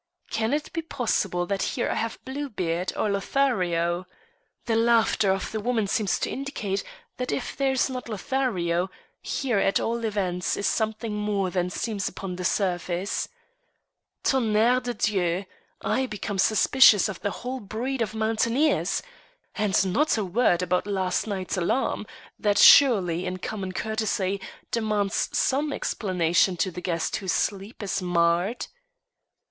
Can it be possible that here I have Bluebeard or Lothario? The laughter of the woman seems to indicate that if here is not Lothario, here at all events is something more than seems upon the surface. Tonnerre de dieu! I become suspicious of the whole breed of mountaineers. And not a word about last night's alarm that surely, in common courtesy, demands some explanation to the guest whose sleep is marred."